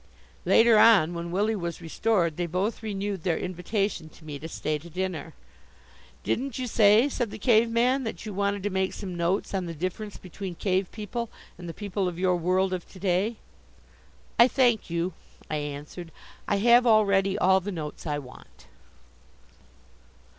Later on, when Willie was restored, they both renewed their invitation to me to stay to dinner. "Didn't you say," said the Cave man, "that you wanted to make some notes on the difference between Cave people and the people of your world of to day?" "I thank you," I answered, "I have already all the notes I want!"